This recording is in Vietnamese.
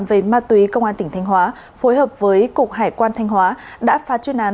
về ma túy công an tp hcm phối hợp với cục hải quan tp hcm đã phát chuyên án